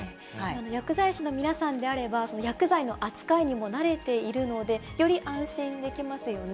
薬剤師の皆さんであれば、薬剤の扱いにも慣れているので、より安心できますよね。